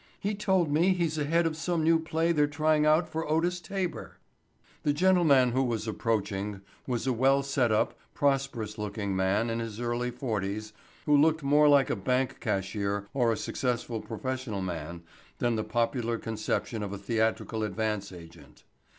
He told me he's ahead of some new play they're trying out for Otis Taber." The gentleman who was approaching was a well set up, prosperous looking man in his early forties who looked more like a bank cashier or a successful professional man than the popular conception of a theatrical advance agent.